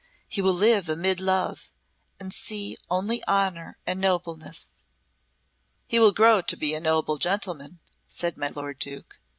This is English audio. "He will live amid love and see only honour and nobleness." "He will grow to be a noble gentleman," said my lord Duke.